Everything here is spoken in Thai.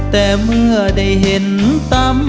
แต่เมื่อได้เห็นซ้ำ